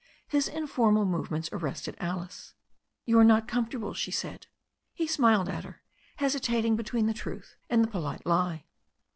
His informal movements arrested Alice. "You are not comfortable," she said. He smiled at her, hesitating between the truth and the polite lie.